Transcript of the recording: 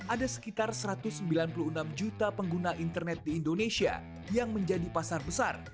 ada sekitar satu ratus sembilan puluh enam juta pengguna internet di indonesia yang menjadi pasar besar